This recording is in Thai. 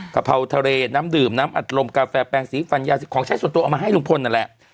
กะเพราทะเลน้ำดื่มน้ำอัดลมกาแฟแปลงสีฟันยาสิบของใช้ส่วนตัวเอามาให้ลุงพลนั่นแหละ